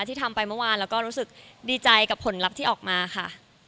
ที่ทำไปเมื่อวานแล้วก็รู้สึกดีใจกับผลลัพธ์ที่ออกมาค่ะ